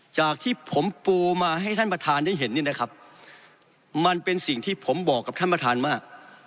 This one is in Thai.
จากที่ผมปูมาให้ท่านประธานได้เห็นนี่นะครับมันเป็นสิ่งที่ผมบอกกับท่านประธานมาก